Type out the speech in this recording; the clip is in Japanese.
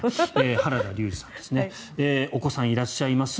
原田龍二さんそしてお子さんがいらっしゃいます。